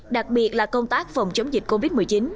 đặc biệt là công tác phòng chống dịch covid một mươi chín